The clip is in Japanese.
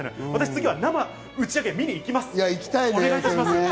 次は生の打ち上げを見に行きます。